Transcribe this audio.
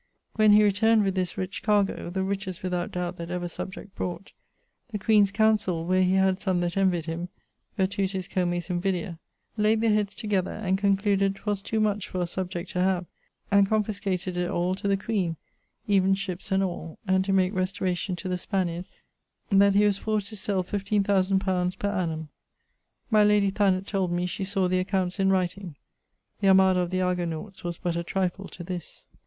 When he returned with this riche cargo (the richest without doubt that ever subject brought), the queene's councell (where he had some that envyed him Virtutis comes Invidia) layed their heads together and concluded 'twas too much for a subject to have, and confiscated it all to the queen, even shippes and all, and to make restauration to the Spaniard, that he was forced to sell fifteene thousand pounds per annum. My lady Thanet told me she sawe the accounts in writing. The armada of the Argonautes was but a trifle to this.